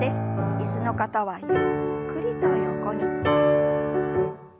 椅子の方はゆっくりと横に。